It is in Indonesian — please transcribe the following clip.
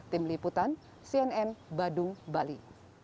tim liputan cnn badung bali